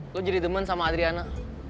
lu jadi demen sama adriana